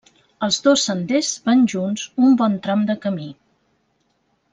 Els dos senders van junts un bon tram de camí.